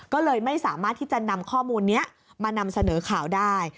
ก็เลยไม่สามารถที่จะนำข้อมูลนี้มานำเสนอข่าวได้